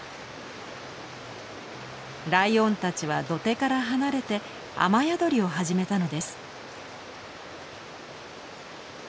ライオンたちは土手から離れて雨宿りを始めたのです。